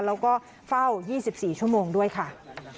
แล้วก็เฝ้ายี่สิบสี่ชั่วโมงด้วยค่ะ